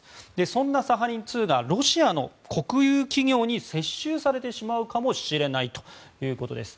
そんなサハリン２がロシアの国有企業に接収されてしまうかもしれないということです。